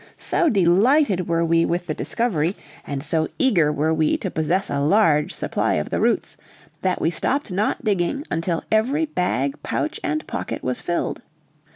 So delighted were we with the discovery, and so eager were we to possess a large supply of the roots, that we stopped not digging until every bag, pouch, and pocket was filled.